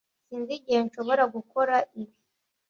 Sinzi igihe nshobora gukora ibi.